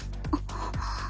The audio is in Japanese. あっ。